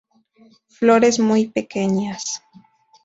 Flores muy pequeñas.